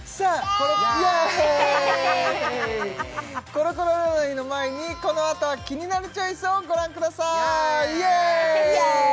コロコロ占いの前にこのあとは「キニナルチョイス」をご覧くださいイエイ！